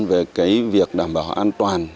về cái việc đảm bảo an toàn